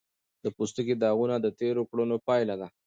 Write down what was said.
د پوستکي داغونه د تېرو کړنو پایله ده.